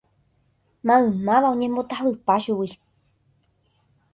Maymáva oñembotavypa chugui.